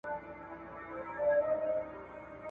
او د لنډو کیسو لیکوال وو ,